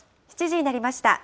７時になりました。